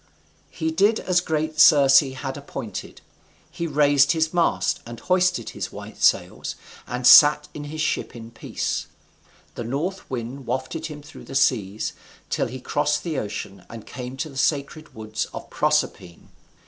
He did as great Circe had appointed. He raised his mast, and hoisted his white sails, and sat in his ship in peace. The north wind wafted him through the seas, till he crossed the ocean, and came to the sacred woods of Proserpine.